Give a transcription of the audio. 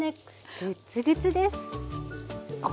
グッツグツです。